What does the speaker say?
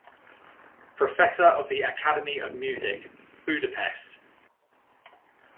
Professor of the Academy of music, Budapest.